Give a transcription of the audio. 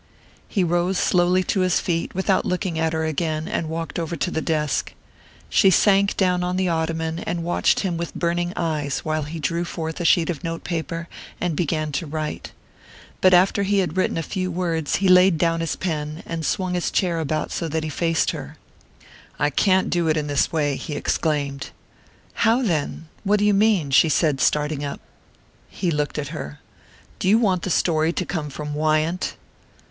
He rose slowly to his feet, without looking at her again, and walked over to the desk. She sank down on the ottoman and watched him with burning eyes while he drew forth a sheet of note paper and began to write. But after he had written a few words he laid down his pen, and swung his chair about so that he faced her. "I can't do it in this way," he exclaimed. "How then? What do you mean?" she said, starting up. He looked at her. "Do you want the story to come from Wyant?"